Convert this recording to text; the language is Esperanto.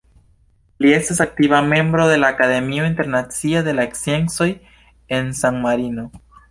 Li estas aktiva membro de la Akademio Internacia de la Sciencoj en San Marino.